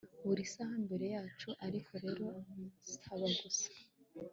Buri saha mbere yacu ariko rero saba gusa